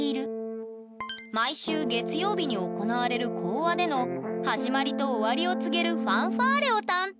毎週月曜日に行われる講話での始まりと終わりを告げるファンファーレを担当！